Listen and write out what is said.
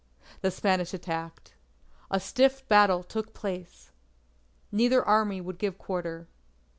The Spanish attacked. A stiff battle took place. Neither Army would give quarter.